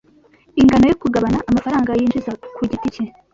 ingano yo kugabana amafaranga yinjiza ku giti cye